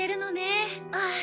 ああ。